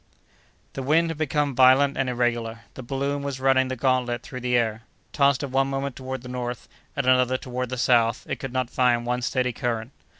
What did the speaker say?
The wind had become violent and irregular; the balloon was running the gantlet through the air. Tossed at one moment toward the north, at another toward the south, it could not find one steady current.